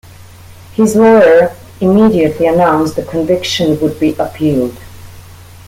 His lawyer immediately announced the conviction would be appealed.